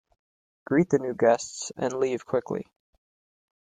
Greet the new guests and leave quickly.